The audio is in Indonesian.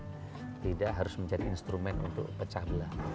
dan tidak harus menjadi instrumen untuk pecah belah